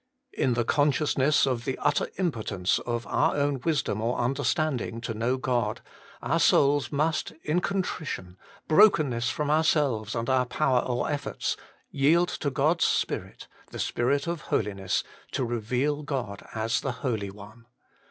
In the con sciousness of the utter impotence of our own wisdom or understanding to know God, our souls must in contrition, brokenness from ourselves and our power or efforts, yield to God's Spirit, the Spirit of Holiness, to reveal God as the Holy One.